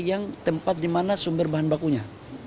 yang tempat di mana sumber bahan bakunya